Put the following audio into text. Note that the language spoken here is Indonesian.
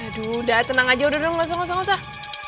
aduh udah tenang aja udah gak usah gak usah